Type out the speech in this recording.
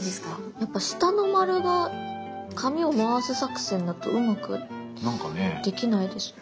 やっぱ下の丸が紙を回す作戦だとうまくできないです。